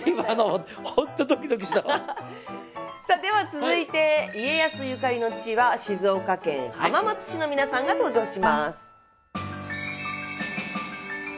さあでは続いて家康ゆかりの地は静岡県浜松市の皆さんが登場します。